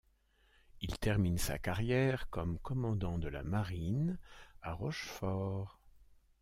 Il termine sa carrière comme commandant de la Marine à Rochefort.